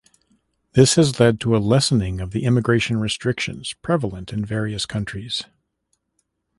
This has led to a lessening of the immigration restrictions prevalent in various countries.